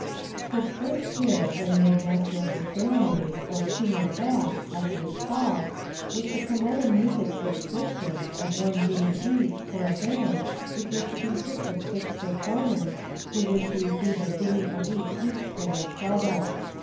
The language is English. His first care when made Master of the Ceremonies, or King of Bath, as it is called, was to promote a music subscription, of one guinea each, for a band, which was to consist of six performers, who were to receive a guinea a week each for their trouble.